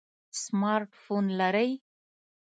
سمارټ فون لرئ؟